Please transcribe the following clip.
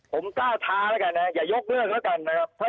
ผมก้าวท้าแล้วกันนะอย่ายกเลิกแล้วกันนะครับ